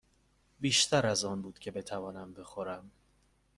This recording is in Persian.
بیشتر از آن بود که بتوانم بخورم.